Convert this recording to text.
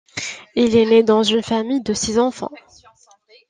Il est né dans une famille de six enfants.